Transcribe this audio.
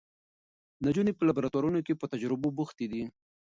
نجونې په لابراتوارونو کې په تجربو بوختې دي.